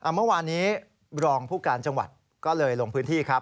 เมื่อวานนี้รองผู้การจังหวัดก็เลยลงพื้นที่ครับ